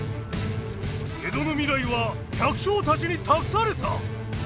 江戸の未来は百姓たちに託された！